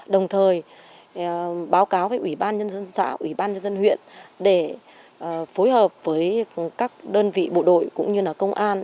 đồng thời báo cáo với ủy ban nhân dân xã ủy ban nhân dân huyện để phối hợp với các đơn vị bộ đội cũng như công an